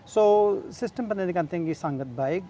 jadi sistem pendidikan tinggi sangat baik